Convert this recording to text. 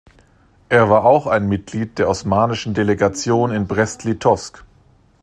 Er war auch ein Mitglied der osmanischen Delegation in Brest-Litowsk.